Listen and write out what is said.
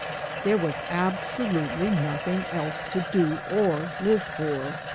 There was absolutely nothing else to do or live for.